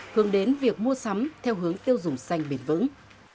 hướng đến việc mua sắm theo hướng tiêu dùng xanh bền vững